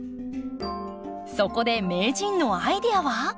そこで名人のアイデアは？